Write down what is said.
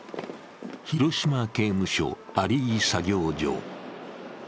広島刑務所有井作業場。